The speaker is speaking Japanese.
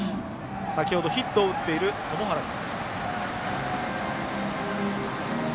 先ほどヒットを打っている塘原からです。